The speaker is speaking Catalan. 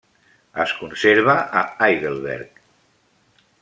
Es conserva a Heidelberg.